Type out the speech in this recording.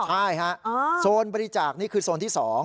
ใช่ฮะโซนบริจาคนี่คือโซนที่๒